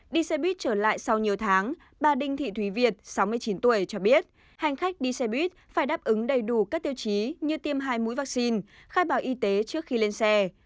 đi xe buýt trở lại sau nhiều tháng bà đinh thị thúy việt sáu mươi chín tuổi cho biết hành khách đi xe buýt phải đáp ứng đầy đủ các tiêu chí như tiêm hai mũi vaccine khai báo y tế trước khi lên xe